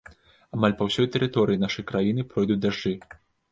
Амаль па ўсёй тэрыторыі нашай краіны пройдуць дажджы.